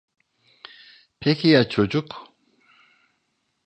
Peki ya çocuk?